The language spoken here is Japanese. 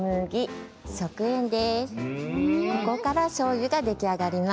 ここからしょうゆができあがります。